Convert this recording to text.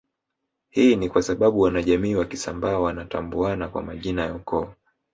Hii ni kwasababu wanajamii wa Kisambaa wanatambuana kwa majina ya ukoo